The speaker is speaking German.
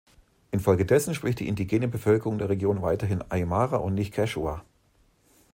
Infolgedessen spricht die indigene Bevölkerung der Region weiterhin Aymara und nicht Quechua.